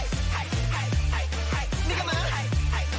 ไม่มีไม่ใช่ไม่ไม่ไม่ใช่